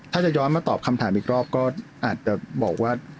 ถ้าจะย้อนมาตอบคำถามอีกรอบก็อาจจะบอกว่า